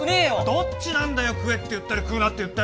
どっちなんだよ食えって言ったり食うなって言ったり。